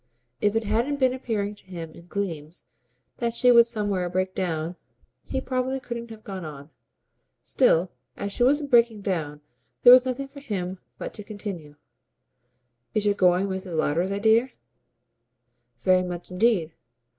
If it hadn't been appearing to him in gleams that she would somewhere break down, he probably couldn't have gone on. Still, as she wasn't breaking down there was nothing for him but to continue. "Is your going Mrs. Lowder's idea?" "Very much indeed.